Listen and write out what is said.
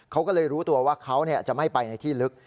เขาก็เลยรู้ตัวว่าเขาจะไม่ไปในที่ลึก